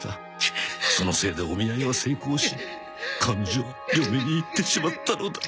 そのせいでお見合いは成功し彼女は嫁に行ってしまったのだ。